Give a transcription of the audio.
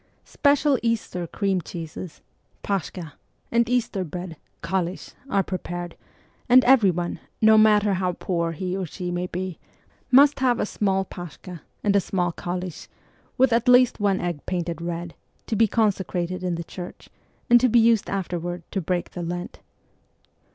Special Easter cream cheeses (pdskha) and Easter bread (koottch) are pre pared ; and everyone, no matter how poor he or she may be, must have a small paskha and a small koolich, with at least one egg painted red, to be consecrated in the church, and to be used afterward to break the Lent.